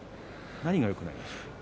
何がよくないですか。